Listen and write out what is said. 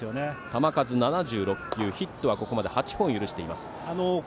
球数７６球ヒットはここまで８本許しています。